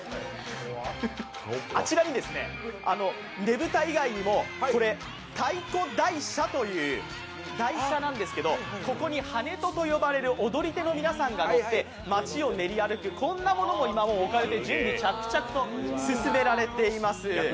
あちらにねぶた以外にも太鼓台車という台車なんですけどここに跳人と呼ばれる踊り手の皆さんが乗って、町を練り歩く、こんなものも今、置かれて準備、着々と進められています。